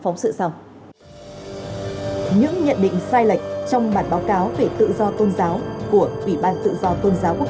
những nhận định sai lệch trong bản báo cáo về tự do tôn giáo của ủy ban tự do tôn giáo quốc tế